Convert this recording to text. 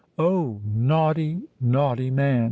"Oh! naughty—naughty man!"